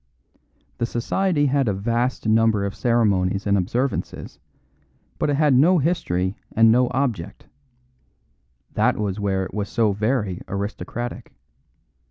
The society had a vast number of ceremonies and observances, but it had no history and no object; that was where it was so very aristocratic.